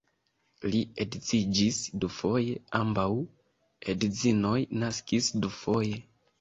Li edziĝis dufoje, ambaŭ edzinoj naskis dufoje.